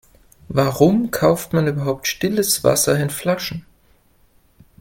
Warum kauft man überhaupt stilles Wasser in Flaschen?